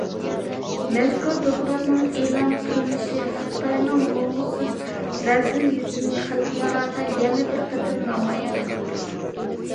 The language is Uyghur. مەزكۇر دوكلاتنىڭ ئېلان قىلىنىشى خىتاينىڭ نومۇسسىز رەزىل يۈزىنى خەلقئارادا يەنە بىر قېتىم نامايان قىلدى.